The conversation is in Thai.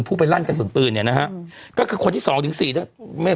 ไปลั่นกระสุนปืนเนี่ยนะฮะก็คือคนที่สองถึงสี่ได้ไม่